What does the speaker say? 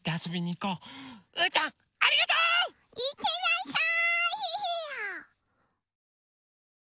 いってらっしゃい！